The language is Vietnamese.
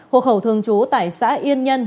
hộ khẩu thường trú tại xã yên nhân